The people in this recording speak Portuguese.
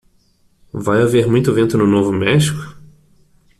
Vai haver muito vento no Novo México?